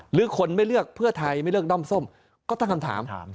หรือคนไม่เลือกเพื่อไทยไม่เลือกด้อมส้มก็ตั้งคำถาม